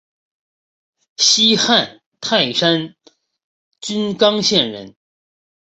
西汉泰山郡刚县人。